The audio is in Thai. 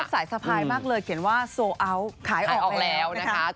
สายสะพายมากเลยเขียนว่าโซอัลขายออกแล้วนะคะ